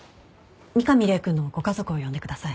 三上礼くんのご家族を呼んでください。